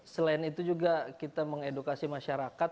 selain itu juga kita mengedukasi masyarakat